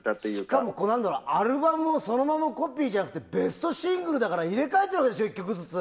しかも、アルバムをそのままコピーじゃなくてベストシングルだから入れ替えているわけでしょ１曲ずつ。